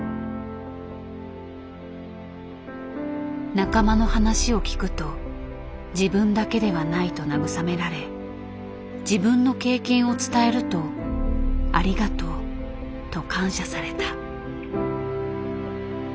仲間の話を聞くと自分だけではないと慰められ自分の経験を伝えると「ありがとう」と感謝された。